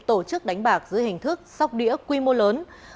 tổ chức đánh bạc dưới hình thức sóc đĩa quy mô lớn